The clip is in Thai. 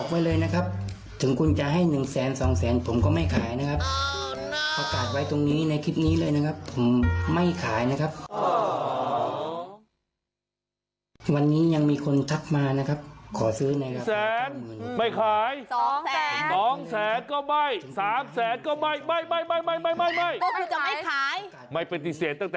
ไม่ขาย๒แสน๒แสนก็ไม่๓แสนก็ไม่ไม่